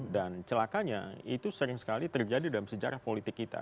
dan celakanya itu sering sekali terjadi dalam sejarah politik kita